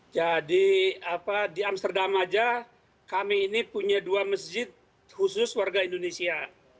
jadi di amsterdam saja kami ini punya dua masjid khusus warga indonesia